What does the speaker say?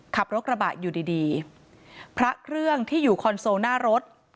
ขับรถกระบะอยู่ดีดีพระเครื่องที่อยู่คอนโซลหน้ารถ